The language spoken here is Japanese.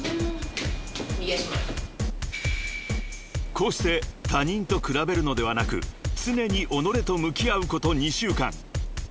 ［こうして他人と比べるのではなく常に己と向き合うこと２週間］